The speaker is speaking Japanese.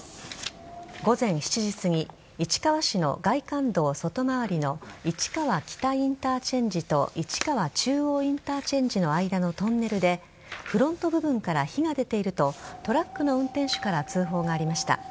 午前７時すぎ市川市の外環道外回りの市川北インターチェンジと市川中央インターチェンジの間のトンネルでフロント部分から火が出ているとトラックの運転手から通報がありました。